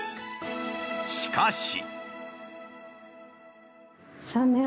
しかし。